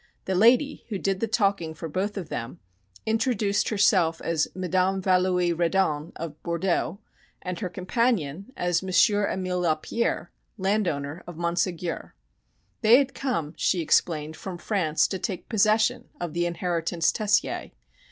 The lady, who did the talking for both of them, introduced herself as Madame Valoie Reddon, of Bordeaux, and her companion as M. Emile Lapierre, landowner, of Monségur, They had come, she explained, from France to take possession of the inheritance Tessier.